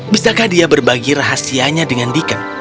bisakah dia berbagi rahasianya dengan deacon